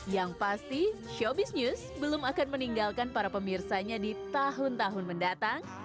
yang pasti showbiz news belum akan meninggalkan para pemirsanya di tahun tahun mendatang